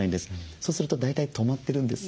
そうすると大体止まってるんです。